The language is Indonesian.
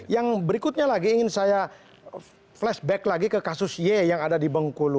yang berikutnya lagi ingin saya flashback lagi ke kasus y yang ada di bengkulu